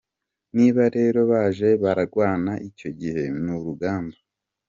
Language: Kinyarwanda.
Niba rero baje barwana icyo gihe n’urugamba.